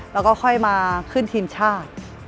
แล้วก็ค่อยมาขึ้นทีมชาติ